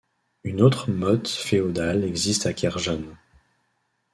Une autre motte féodale existe à Kerjan.